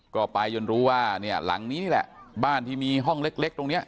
ก็ปลายยนต์รู้ว่าหลังนี้แหละบ้านที่มีห้องเล็กตรงนี้